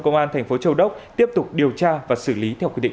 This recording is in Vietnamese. công an thành phố châu đốc tiếp tục điều tra và xử lý theo quy định